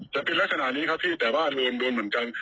จะเป็นลักษณะนี้ครับพี่แต่ว่าโดนโดนเหมือนกัน